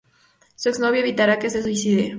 Su exnovio evitará que se suicide.